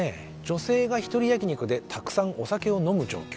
女性が一人焼き肉でたくさんお酒を飲む状況。